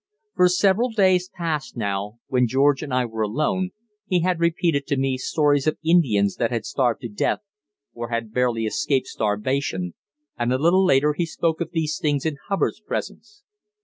For several days past now, when George and I were alone, he had repeated to me stories of Indians that had starved to death, or had barely escaped starvation, and a little later he spoke of these things in Hubbard's presence.